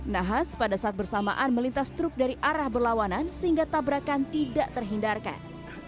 nahas pada saat bersamaan melintas truk dari arah berlawanan sehingga tabrakan tidak terhindarkan